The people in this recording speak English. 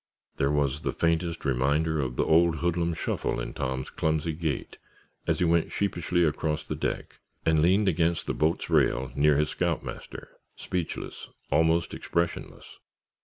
There was the faintest reminder of the old hoodlum shuffle in Tom's clumsy gait as he went sheepishly across the deck and leaned against the boat's rail near his scoutmaster, speechless, almost expressionless.